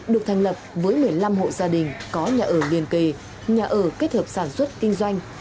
được thành lập với một mươi năm hộ gia đình có nhà ở liền kề nhà ở kết hợp sản xuất kinh doanh